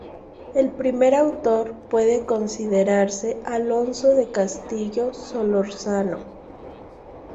El primer autor puede considerarse Alonso de Castillo Solórzano.